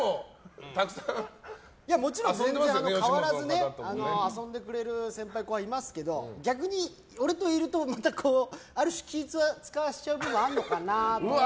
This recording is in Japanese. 変わらず遊んでくれる先輩、後輩いますけど逆に俺といるとある種、気を使わせちゃう部分もあるのかなって。